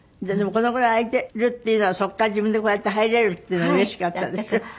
でもこのぐらい開いてるっていうのはそこから自分でこうやって入れるっていうのはうれしかったでしょ？